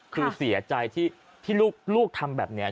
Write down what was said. คือเสียใจที่ลูกทำแบบนี้